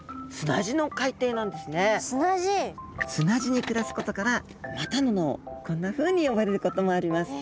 実は砂地に暮らすことからまたの名をこんなふうに呼ばれることもあります。